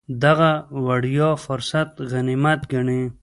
دغه وړیا فرصت غنیمت ګڼي.